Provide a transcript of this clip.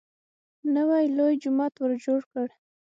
نوی لوی جومات ورجوړ کړ.